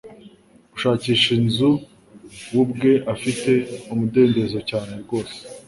Gushakisha inzu we ubwe afite umudendezo cyane rwose